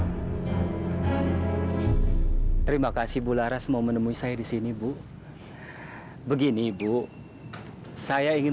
hai terima kasih bu laras mau menemui saya di sini bu begini ibu saya ingin